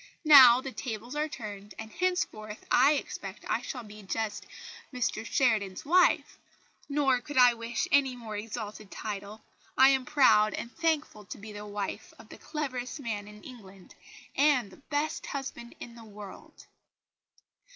Now the tables are turned, and, henceforth, I expect I shall be just Mr Sheridan's wife. Nor could I wish any more exalted title. I am proud and thankful to be the wife of the cleverest man in England, and the best husband in the world!"